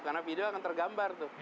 karena video akan tergambar